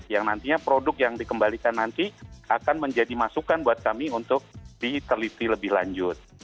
yang nantinya produk yang dikembalikan nanti akan menjadi masukan buat kami untuk diteliti lebih lanjut